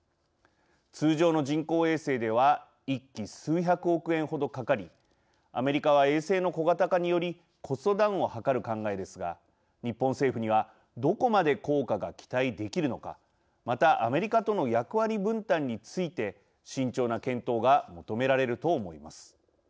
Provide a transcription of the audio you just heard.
通常の人工衛星では１基、数百億円ほどかかりアメリカは衛星の小型化によりコストダウンを図る考えですが日本政府にはどこまで効果が期待できるのかまた、アメリカとの役割分担について慎重な検討が求められると思います。